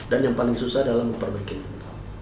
dan yang paling susah adalah memperbaiki mental